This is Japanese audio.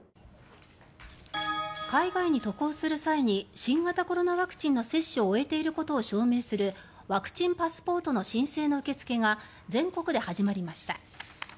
海外に渡航する際に新型コロナワクチンの接種を終えていることを証明するワクチンパスポートの申請の受け付けが全国で始まりました。